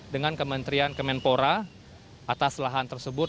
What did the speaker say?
dengan kementerian kemenpora atas lahan tersebut